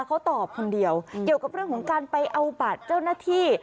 เขาตอบคนเดียวเกี่ยวกับเรื่องของการไปเอาบัตรเจ้าหน้าที่